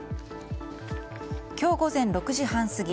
今日午前６時半過ぎ